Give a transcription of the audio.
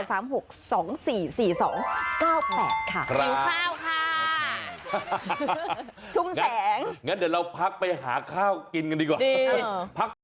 ชิมข้าวค่ะชุมแสงงั้นเดี๋ยวเราพักไปหาข้าวกินกันดีกว่า